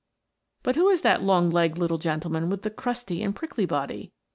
* But who is that long legged little gentleman with the crusty and prickly body?